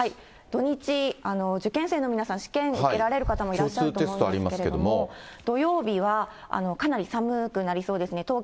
土日、受験生の皆さん、試験受けられる方もいらっしゃると思いますけれども、土曜日はかなり寒くなりそうですね。